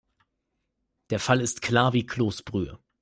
Der Fall ist klar wie Kloßbrühe.